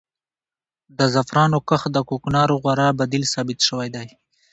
د زعفرانو کښت د کوکنارو غوره بدیل ثابت شوی دی.